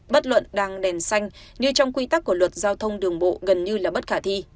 bất luận đang đèn xanh như trong quy tắc của luật giao thông đường bộ gần như là bất khả thi